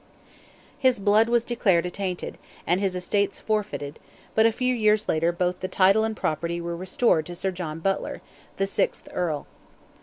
His blood was declared attainted, and his estates forfeited; but a few years later both the title and property were restored to Sir John Butler, the sixth Earl.